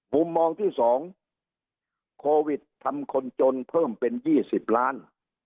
มุมมองที่๒โควิดทำคนจนเพิ่มเป็น๒๐ล้าน